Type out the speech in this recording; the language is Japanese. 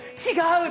違う！